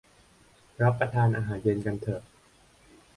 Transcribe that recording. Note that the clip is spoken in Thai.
รับประทานอาหารเย็นกันเถอะ